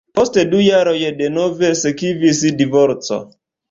Post du jaroj denove sekvis divorco.